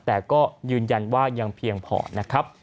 แต่ก็ยืนยันว่ายังเพียงพอนะครับ